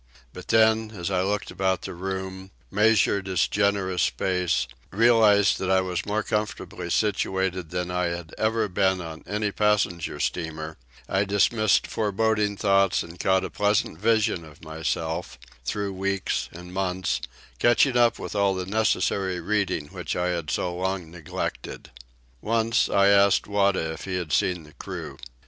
But then, as I looked about the room, measured its generous space, realized that I was more comfortably situated than I had ever been on any passenger steamer, I dismissed foreboding thoughts and caught a pleasant vision of myself, through weeks and months, catching up with all the necessary reading which I had so long neglected. Once, I asked Wada if he had seen the crew.